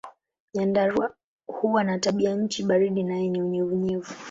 Nyandarua huwa na tabianchi baridi na yenye unyevu.